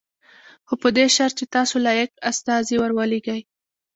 خو په دې شرط چې تاسو لایق استازی ور ولېږئ.